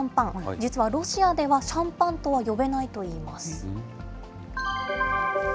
実はロシアではシャンパンとは呼べないといいます。